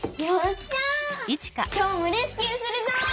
きょうもレスキューするぞ！